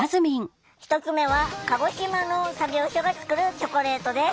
１つ目は鹿児島の作業所が作るチョコレートです。